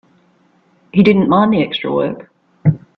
He didn't mind the extra work.